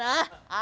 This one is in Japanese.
あ。